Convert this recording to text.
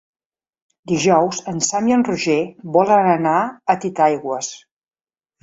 Dijous en Sam i en Roger volen anar a Titaigües.